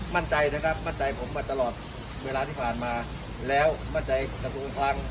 มั่นใจนะครับมั่นใจผมมาตลอดเวลาที่ผ่านมาแล้วมั่นใจกระทรวงคลัง